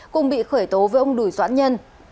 cùng bị khởi tố với ông đùi doãn nhân